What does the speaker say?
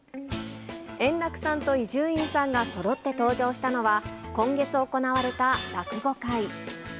円楽さんと伊集院さんがそろって登場したのは、今月行われた落語会。